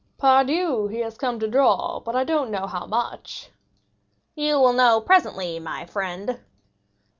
"Pardieu, he has come to draw, but I don't know how much!" "You will know presently, my friend."